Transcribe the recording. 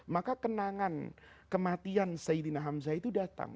maka kenangan kematian saidina hamzah itu datang